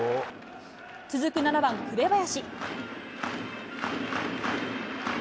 続く７番紅林。